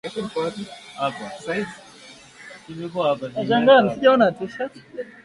Katibu Mkuu wa Wizara ya Mafuta Andrew Kamau alisema kuwa serikali inatathmini